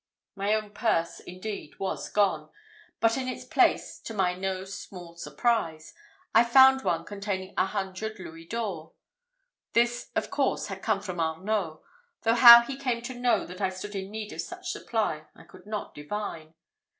My own purse, indeed, was gone; but in its place, to my no small surprise, I found one containing a hundred louis d'ors. This, of course, had come from Arnault, though how he came to know that I stood in need of such supply I could not divine.